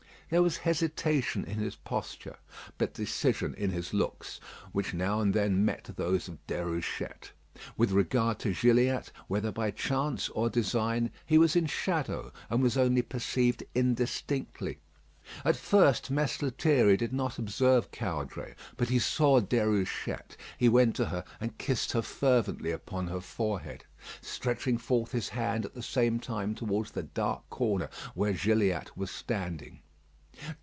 There was hesitation in his posture, but decision in his looks, which now and then met those of Déruchette. With regard to Gilliatt, whether by chance or design, he was in shadow, and was only perceived indistinctly. At first Mess Lethierry did not observe Caudray, but he saw Déruchette. He went to her and kissed her fervently upon the forehead; stretching forth his hand at the same time towards the dark corner where Gilliatt was standing.